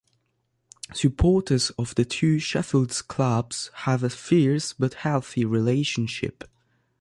Supporters of the two Sheffield clubs have a fierce but healthy relationship.